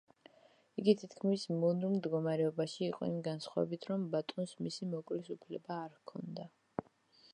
იგი თითქმის მონურ მდგომარეობაში იყო იმ განსხვავებით, რომ ბატონს მისი მოკვლის უფლება არ ჰქონდა.